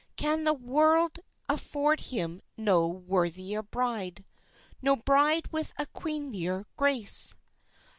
Can the world afford him no worthier bride No bride with a queenlier grace?